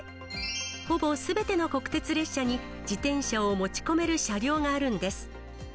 ほぼすべての国鉄列車に、自転車を持ち込める車両があるんです。